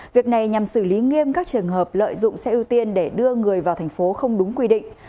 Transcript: việc này nhằm xử lý nghiêm các trường hợp lợi dụng xe ưu tiên để đưa người vào thành phố không đúng quy định